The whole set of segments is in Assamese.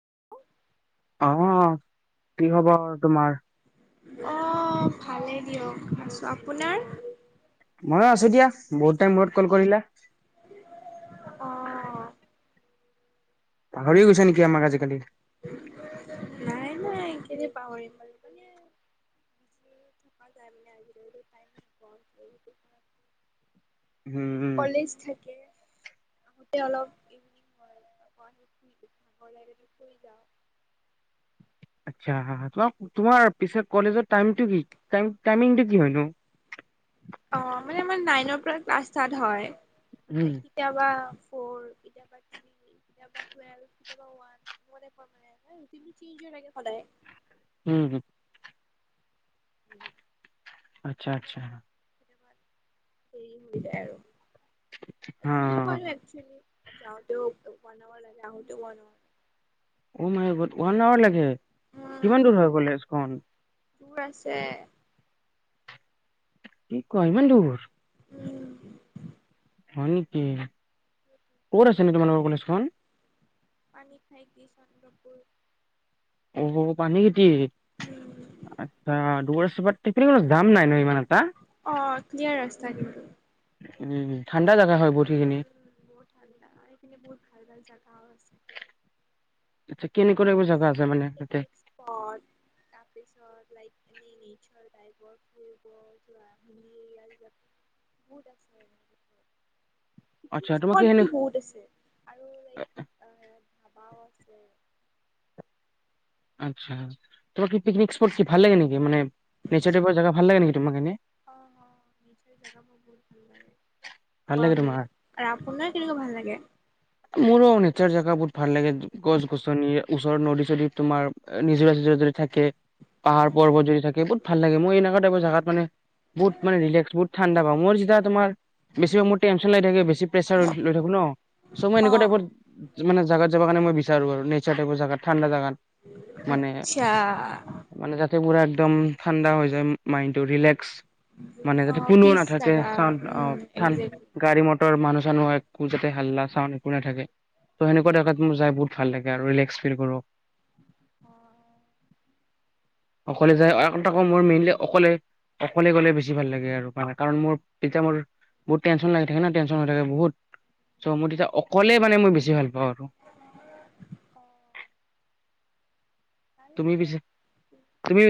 [inaudible] অঁ কি খবৰ তোমাৰ? আছো আপোনাৰ। ময়ো আছো দিয়া বহুত টাইমৰ মুৰত কল কৰিলা। অঁ পাহৰিয়ে গৈছা নেকি আমাক আজিকালি। নাই নাই কেলে পাহৰিম আৰু [unintelligible] হুম উম। আহোতে অলপ ইভিনং হয় আকৌ আহি ভাগৰ লাগে যে শুই যাওঁ। আচ্ছা তোমা তোমাৰ পিছে কলেজৰ টাইমটো কি টাইমটো কি হয় নো? অ' মানে আমাৰ নাইনৰ পৰা ক্লাছ স্টাৰ্ত হয়। উম। এই কেতিয়াবা। ফৰ কেতিয়াবা থ্ৰি, কেতিয়াবা টোৱেলভ, কেতিয়াবা ওৱান, ৰুটিন বোৰ চেইন্জ হৈ থাকে সদায়। উম হম। উম। আচ্ছা আচ্ছা। কেতিয়াবা দেৰি হৈ যায় আৰু। দূৰো হয় অ', ন একচোৱেলি যাওঁতেও। [unintelligible] অ' মাই গদ ওৱান আৱাৰ লাগে। কিমান দূৰ হয় কলেজখন? দূৰ আছে। কি কোৱা ইমান দূৰ। উম। হয় নেকি কত আছে নে তোমালোকৰ কলেজখন। পানীখাইতি চন্দ্ৰপুৰ। অ' পানী কি আচ্ছা দুৰ আছে বাট জাম নাই ন ইমান এটা? অ' ক্লিয়াৰ ৰাস্তা কিন্তু। উম ঠাণ্ডা জাগা হয় বহুত। সেইখিনি। উম বহুত ঠাণ্ডা এইপনে বহুত ভাল ভাল জাগাও আছে। আচ্ছা কেনেকুৱা টাইপৰ জাগা আছে মানে তাতে? পিকনিক স্পট তপ লাই নোই [unintelligible] বহুত আছে আচ্ছা তোমাক সনে উ। আচ্ছা তোমাক কি পিকনিক স্পট কি ভাল লাগে নেকি মানে নেচাৰ অ টাইপৰ জেগা ভাল অ লাগে নেকি তোমাক এনে নিশ্চয় জোগাবোৰ বহুত ভাল লাগে। ভাল লাগে গৰম তোমাৰ দিনত। আৰু আপোনাৰ কেনেকা ভাল লাগে? মোৰ নেচাৰ জেগা বহুত ভাল লাগে গছ গছনি ওচৰ নদী যদি তোমাৰ নিজৰা যিজ যদি থাকে, পাহাৰ পৰ্বত যদি থাকে বহুত ভাল লাগে মই এনেকুৱা টাইৰ জোগাত মানে বহুত মানে ৰেলেক্স বহুত ঠাণ্ডা পাও, মোৰ যেতিয়া তোমাৰ বেছি ভাগ মোৰ টেনশন ল থাকে বেছিভাগ প্ৰেচাৰ লৈ থাকো ন। সময় নিকটে বহুত মানে, জাগাত যাব কাৰণে মই বিচাৰোঁ আৰু নেচাৰ টাইপৰ জাগাত, ঠাণ্ডা জাগাত। আচ্ছা! সেইবোৰ ঠাইত একদম ঠাণ্ডা হৈ যায়, মাইণ্ডটো ৰিলেক্স। মানে যাতে, কোনো নাথাকে, চাওঁ অ'! টান গাড়ী মটৰ মানুহ নহয়। একো যাতে হাল্লা চাওঁ একো নাথাকে। ত' সেনেকুৱা জেগাত মোৰ যাই বহুত ভাল লাগে আৰু ৰিলেক্স ফিল কৰোঁ। অকলে যায় আকৌ, মোৰ মেইনলি অকলে অকলে গ'লে বেছি ভাল লাগে আৰু মানে কাৰণ, মোৰ তেতিয়া মোৰ বহুত টেনচন লাগি থাকে ন' টেনচন হৈ থাকে বহুত চ' মোৰ অকলে মানে মই বেছি ভাল পাওঁ। তুমি পিছে,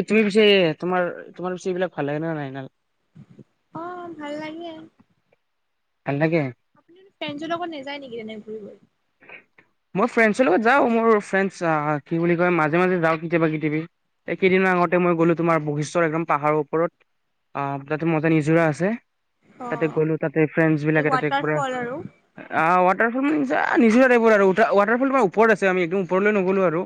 তুমি পিছে, তোমাৰ, তোমাৰ পিছে এইবিলাক ভাল লাগে নে নাই না? [unintelligible] লগত নাযায় নেকি তেনে ঘুৰিব? মই ফ্ৰেণ্ডছৰ লগত যাওঁ। মোৰ ফ্ৰেণ্ডছ অ' কি বুলি কয়, মাজে মাজে যাওঁ, কেতিয়াবা কেতিয়াবি। এইকেইদিনৰ আগতে মই গ'লো। তোমাৰ বশিষ্ঠৰ একদম পাহাৰৰ ওপৰত। অ'! তাতে মজা নিজৰা আছে। তাতে গ'লো। তাতে, ফ্ৰেণ্ডছ বিলাকে তাতে একোৰা, ৱাটাৰ উম! এ নিজৰ এইবোৰ আৰু ৱাটাৰফল মানে ওপৰত আছে। একদম ওপৰলৈ নগলোঁ আৰু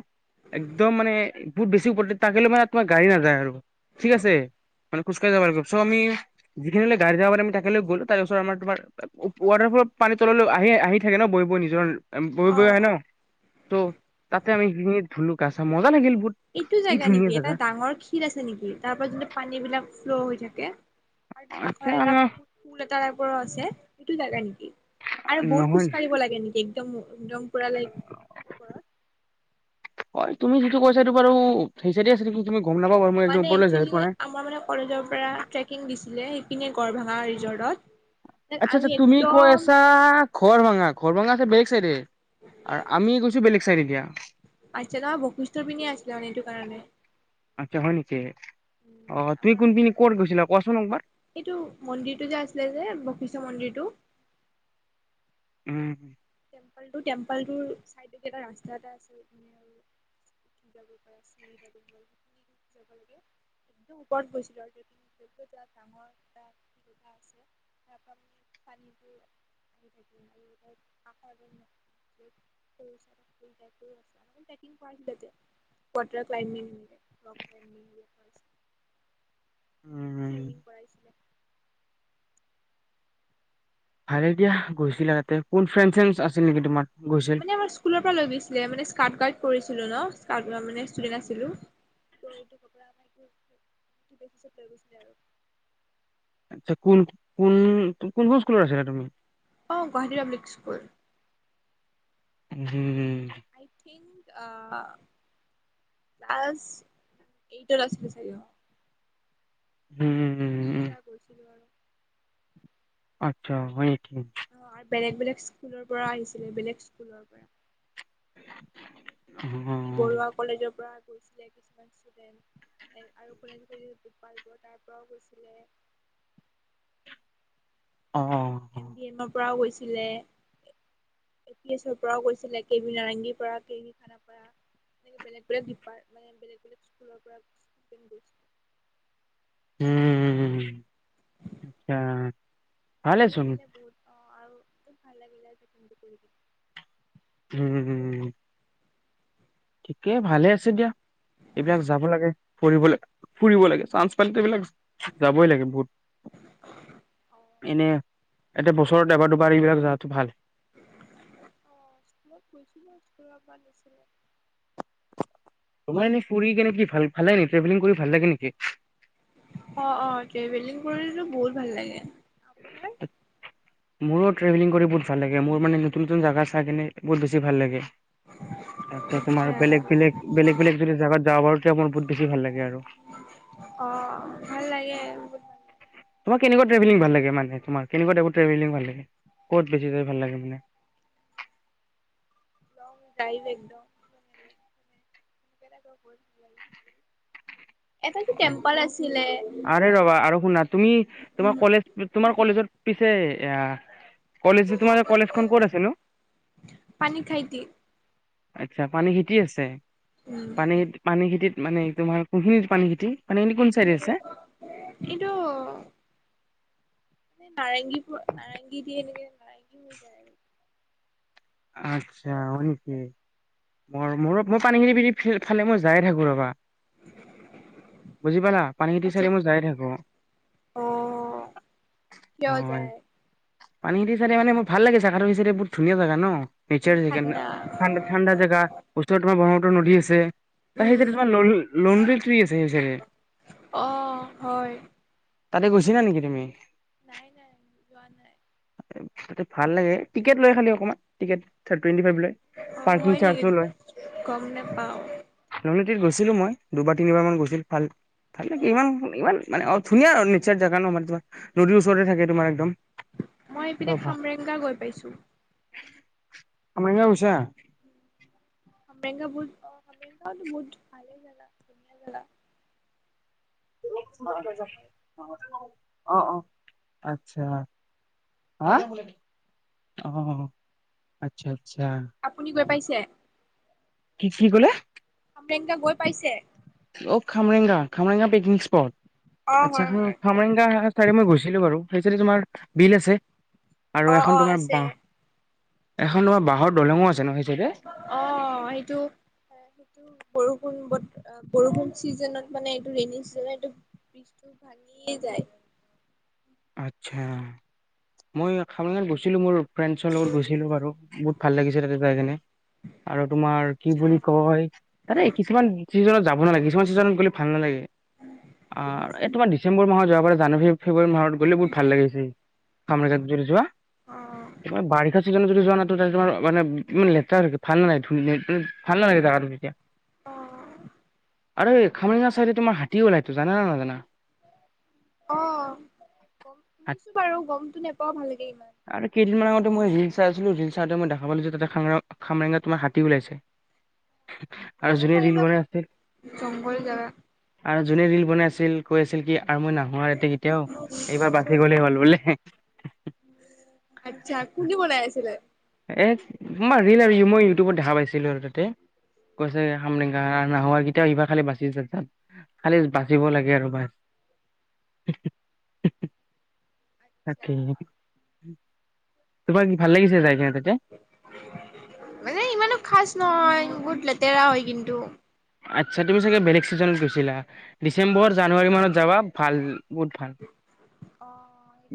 একদম মানে, বহুত বেছি ওপৰত তাকে মানে, তোৰ গাড়ী নাযায় আৰু। ঠিক আছে। মানে, খোজকাঢ়ি যাব লাগিব। চ' আমি এইখিনিলে গাড়ী যাব পাৰিলে আমি তাত লৈ গ'ল তাৰপিছত আমাৰ তোৰ ৱাটাৰ ফ'লত পানী তললৈ আহি আহি থাকে ন' বৈ নিজৰ বৈ বৈ আহে ন'। ত' তাতে আমি সেইখিনিত ধুলো গা চা মজা লাগিল! বহুত এইটো কি জেগা ধুনীয়া নেকি? এটা জাগা ডাঙৰ ক্ষীৰ আছে নেকি? তাৰ পৰা যোনটো পানী বিলাক ফ্ল' হৈ থাকে। আৰু আচ্ছা কাষৰ এটা পুল এটা টাইপৰো আছে। [unintelligible] আৰু বহুত নহয় খোজ কঢ়িব লাগে নেকি? একদম, একদম পুৰা লাইত হয়। তুমি যিটো কৈছা সেইটো বাৰু সেই চাইডে আছে নেকি তুমি গম নাপাওঁ বাৰু মই একদম মানে, ওপৰলৈ যাই পোৱা একচুৱেলি নাই। আমাৰ মানে কলেজৰ পৰা ট্ৰেকিং দিছিলে সেই গড়ভঙা ৰিজৰ্টত। আচ্ছা! আচ্ছা! তুমি কৈ আছা গড়ভঙা, গড়ভঙাটো বেক চাইডে। আৰু আমি গৈছোঁ বেলেগ [unintelligible] আচ্ছা ন বশুস্থৰ পিনি আছিলোন এইটো কাৰণে আচ্ছা হয় নেকি অ তুমি কোনপিনি ক'ত গৈছিলা কোৱাচোন একবাৰ। আমাৰ এইটো মন্দিৰটো যে আছিলে যে বশিষ্ মন্দিৰটো উম হুম টেম্পটো টেম্পলটোৰ ছাইডত এটা ৰাস্তা এটা আছিল এ আৰু উঠি যাব পৰা চিৰি যাবখিনি যাব লাগে একদম ওপৰত গৈছিলোঁ আৰু ট্ৰেপং ডাঙৰ এ জা আছে তাৰপ মে পানীটো আহি থাকি আৰু ৱাটাৰ ক্্ উম চুইমিং কৰাইছিলে ভালে দিয়া গৈছিলা তাতে কোন ফ্ৰেণ্ড চ্ৰ আছিল নেকি তোমাৰ গৈছিল। মানে আমাৰ স্ুলৰ পৰা লৈছিলোনে স্কাউট গাৰ্ড কৰিছিল ছিল ন স্্াৰ মানে ষ্টুডেণ্ট আছিলোঁ ত' এইটো কপৰা বেিছৈ গৈছিলে আৰু আচ্ছা কোন কোন কোন কোন স্কুলত আছিলা তুমি উ আই থিংক ক্লাছ এইটৰ আছিলে চাগে উম এতিয়া গৈছিলো আৰু আচ্ছা হয় ঠিক বেলেগ বেলেগ স্কুলৰ পৰা আহিছিলে বেলেগ স্কুলৰ পৰা অ বি বৰুৱা কলেজৰ পৰা কৰিছিলে কিছুমান আৰু কৰি কপালব তাৰ পৰাও গৈছিলে অ অ এম বি এমৰ পৰাও গৈছে এ পি এছৰ পৰাও কৈছিলে কে বি নাৰেংগীৰ পৰাাৰ কে বি খানাপাৰা এনেকৈ বেলেগ বেলেগ ডিপাৰ্ মানে বেলেগ বেলেগ স্কুলৰ পৰাছিল উম হ আচছা ভাল নিল বত অ আৰু খব ভাল লাগিলে যে কিন্তটো কৰি উম উম িকে ভালে আছে দিয়া এইবিলাক যাব লাগে ফুৰিবলৈ ফুৰিব লাগে চানস পাল এইবিলাক যাবই লাগে বহুত এনে এটা বছৰত এবাৰ দুবাৰ এইবিলাক যো ভাল আহ স্কুলত গৈছিলো স্কুলত বান দিছিলে তোমাৰ এনে ফু কেনেি ভাল ভালে নে ট্ৰেভেলিং কৰি ভাল লাগে নেকি অ অ ট্ৰেভেলিং কৰিলেো বহুত ভাল লাগে আপোন মোৰো ট্ৰেেলিং কৰি বহুত ভাল লাগে মোৰানে নতুন নতুন জাগা চাই কিনে বহুত বেছি ভাল লাগে তাকে তোমাৰ বেলেগ বেলেগ বেলেগ বেলেগ যদি জেগাত যাাব পাৰো তেতিয়া মোৰ বহুত বেছি ভাল লাগে আৰু তোমাক কেনেুৱ্ৰভেলংাল লে তমাৰ কেনেকুৱাাই্ৰভেল ভাল ল ক'ত বেছি ভাল লাগে মানে কাই ল একদম কেনে ক ব অ আ ৰবা আৰু শুনা তুমি তোমাৰ কলেজ তোমাৰ কলেজৰ পি ছে কলেজ যে তোমাৰ কলেজখন কৰিছে নো আচ্ছা পানী খেটি আছে পানী খ পানী খেতিত মানে তোমাৰ কখিনিত পানী [inaudible] চাইডে আছে? এইটো নাৰঙি প নাৰংগি দি এনেক ভ কিজ ম মোৰ মই পানীখিনি পিধ ফালে মই যায় থাকো ৰবা বুজি পালা পানী খটি চাইি মই যায় থাকো হয় পানীেতি চ মে ম ভালাগ চাহাটোি চাই বহু ধনীয়া জাগা ন নিচে জ ঠাণ্ডা জাগা ওচ ব নলি আছে ত সেইচ তোমাৰ ল়ল লণ্ডীটি আহ হয় তাতে গৈছ না নেকি তুমি? নাই, নাই যোৱা নাই। তাতে ভাল লাগে। টিকেট লৈ খালি অকণমান। ট ফ লয়। পাৰ্কিং চাৰ্জ লয়। ন গৈছিলো মই দুবাৰ তিনিবাৰ মান গৈছিলো। ভাল-ভাল ইমান, ইমান মানে। ধুনীয়া ন নিচৰ জাগা নমাৰ তমাৰ। নদীৰ ওচৰতে থাকে তোমাৰ একদম। মই ইপিনে খামৰেংগা গৈ পাইছো। আ মগছে আমেংগা বু অমেংগাওত বুট ভাল জ ধুনীয়া জ [inaudible] অ', অ' আচ্ছা, হা, অ', অ' আচ্ছা। আচ্ছা আপুনি গৈ পাইছে? [inaudible] কি ক'লে? গোটেই কেইটা গৈ পাইছে? অ' খামেংগা খামেংগা পিকনিক স্পট। আচ্ছা, খামৰেংগা চাইদে মই গৈছিলো বাৰু। সেইচাইডে তোমাৰ বিল আছে। আৰু এখন তোমাৰ বাঁহ। এখন তোমাৰ বাঁহৰ দলেঙো আছে। ন সেই চাইডে অ' সেইটো সেইটো। বৰষুণ কত বৰষুণ চিজনত মানে এইটো ৰেনী চিজনত, এইটো ভাঙিয়ে যায়। আটছা। মই খামৰাং গৈছিলো মোৰ। ফ্ৰেণ্ডছৰ লগত গৈছিলো বাৰু বহুত। ভাল লাগিছে তাতে জাই কেনি আৰু তোমাৰ কি বুলি কয় তানে কিছুমান চিজনত যাব। ভাললাগে কিছুমান ছিজনত গলে ভাল নালাগে। আৰু এই তোমাৰ ডিচেম্বৰ মাহত যোৱা। জানুৱাৰী, ফেব্ৰুৱাৰী মাহত। গলে বহুত ভাল লাগিছিল। খামৰাঙত যোৱা তোমাৰ বাৰিষা চিজনত যদি যোৱা ত তোমাৰ। ইমান লেটেৰা ভাল নালাগে [unintelligible] ভাল লাগে জেগাটো এতিয়া। আৰু খামৰঙা চাইডে তোমাৰ হাতী ওলাই জানা নে নাজানা? অ', শুনিছো বাৰু গমটো নেপাওঁ ভালকে ইমান। আৰু কেইদিনমান আগতে মই ৰিল চাই আছিলো ৰিল চাওঁতে মই দেখা পালো যে ততে খাম খামৰেংঙত তোমাৰ হাতী ওলাইছে। আৰু যোনে ৰিল বনাই আছে। যোনে ৰিল বনাই আছিল কৈ আছিল কি আৰু মই নাহো আৰু ইয়াতে। এইবাৰ বাচি গলেই হ'ল বোলে। এ তোমাৰ ৰিল আৰু মই ইউটিউবত দেখা পাইছো। দেখিলো আৰু তাতে কৈছে খামৰেংঙগা হোৱা আৰু কেতিয়াওঁ এইবাৰ খালি বাচি যাম খালি বাচিব লাগে আৰু বাছ। [inaudible] তাকেই। তোমাৰ কি ভাল লাগিছে জেগাখিনি মানে ইমানো খাচ নহয় বহুত লেটেৰা লেতেৰা হয় কিন্তু। আচ্ছা তুমি চাগে বেলেগ চিজনত গৈছিলা ডিচেম্বৰ জানুৱাৰী মানত। যাবা ভাল বহুত ভাল।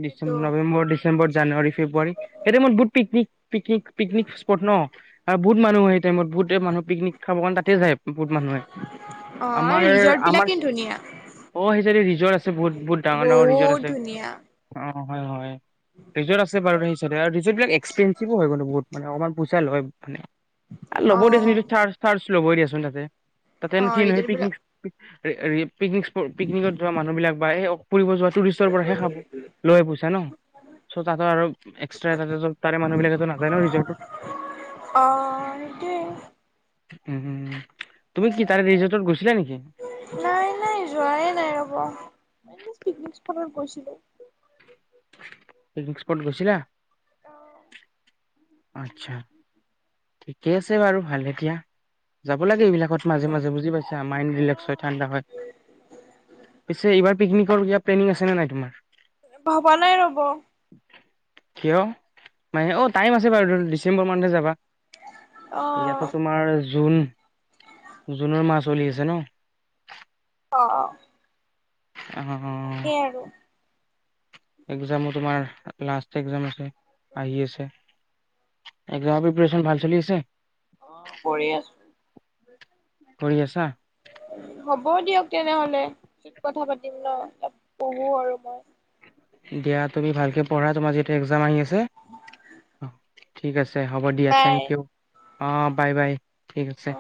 ডিচেম, নম্ববৰ ডিচেম্বৰ। জানুৱাৰী ফেব্ৰুৱাৰী সেইটাইমত বহুত পিকনিক, পিকনিক, পিকনিক স্পট ন বহুত মানুহ হয়। সেই টাইমত বহু মানুহ পিকনিক খাব কাৰণে তাতে যায় বহুত মানুহে আমাৰ, আমাৰ অ সেই ৰিজৰ্ট আছে বহুত, বহুত ডাঙৰ, ডাঙৰ ৰিজৰ্ট আছে। অ', হয়, হয়। ৰিজৰ্ট আছে বাৰু ৰিজৰ্ট বিলাক এক্সপেনঞ্চিভো হয় গলো বহুত মানে অকমান পইচা লয়। [inaudible] ল'ব দে চোন [unintelligible] ল'ব দিয়াচোন তাতে। তাতেনো কি নাই পিকনিক। ৰেপিকনিক স্প পিকনিকত যোৱা মানুহ বিলাক বা এই। ফুৰিব যোৱাটো ৰিষ্টৰ পৰাহে খাব। লৈয় পইছা ন চ' তাতো আৰু এক্সট্ৰা তাতে তাৰে মানুহ বিলাকো নাযায় ন ৰিজৰ্ট। অ', সেইটোৱে উম, উম। তুমি কি তাৰে ৰিজৰ্টত গৈছিলা নেকি? নাই, নাই যোৱাই নাই ৰব এটলিস্ট পিকনিক। গৈছিলো। জিলা। অ', আত্ছা ঠিকে আছে বাৰু ভাল এতিয়া। যাব লাগে এইবিলাকত মাজে, মাজে বুজি পাইছা মাইণ্ড ৰিলেক্স হয় ঠাণ্ডা হয় পিছে এইবাৰ। পিকনিকৰ কিবা প্লেনিং আছে নে নাই তোমাৰ। ভবা নাই ৰব। কিয় মা অ তাই [unintelligible] ডিচেম্বৰ মানহে যাবা এটিয়াটো তোমাৰ জুন জুনৰ মাহ চলি আছে ন? অ', অ', অ', এক্জামো তোমাৰ লাষ্ট এক্জাম আছে। আহি আছে। এক্সামৰ প্ৰিপাৰেচন ভাল চলি আছে? অ', পৰি আছো। কৰি আছা হ'ব দিয়ক তেনেহলে। কথা পাতিম ন পঢ়ো আৰু মই। দিয়া তুমি ভালকে পঢ়া তোমাৰ যিহেতু এক্জাম আহি আছে অঁ, ঠিক আছে। ছে হ'ব দিয়া থেংক ইউ। অ', বাই বাই। ঠিক আছে।